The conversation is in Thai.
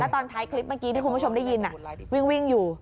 ตอนท้ายคลิปเมื่อกี้ที่คุณผู้ชมได้ยินวิ่งอยู่